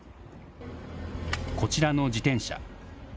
こちらの自転車。